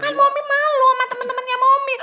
kan momi malu sama temen temennya momi